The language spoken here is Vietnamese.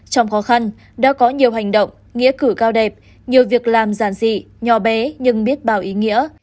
trong khó khăn đã có nhiều hành động nghĩa cử cao đẹp nhiều việc làm giản dị nhỏ bé nhưng biết bào ý nghĩa